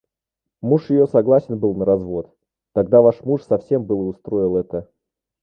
Муж ее согласен был на развод — тогда ваш муж совсем было устроил это.